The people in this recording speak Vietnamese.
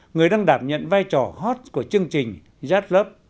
người đang đảm nhận vai trò hot của chương trình just love